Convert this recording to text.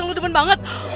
yang lu demen banget